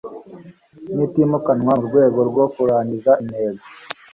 n itimukanwa mu rwego rwo kurangiza intego